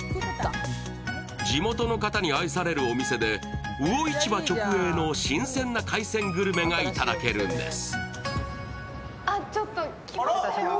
地元の方に愛されるお店で魚市場直営の新鮮な海鮮グルメがいただけるんです。